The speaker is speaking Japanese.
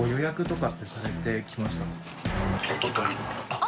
あっ。